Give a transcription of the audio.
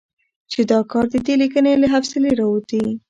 چې دا کار د دې ليکنې له حوصلې راوتې